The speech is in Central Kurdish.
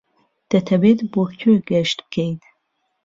دەتەوێت بۆ کوێ گەشت بکەیت؟